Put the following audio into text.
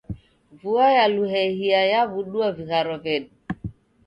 Vua ya luhehia yew'udua vigharo vedu